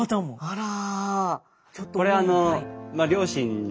あら。